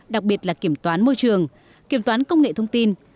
đặc biệt là kiểm toán môi trường kiểm toán công nghệ thông tin